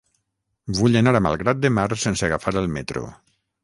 Vull anar a Malgrat de Mar sense agafar el metro.